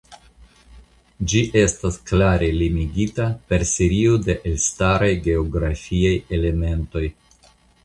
Ĝi estas klare limigita per serio de elstaraj geografiaj elementoj.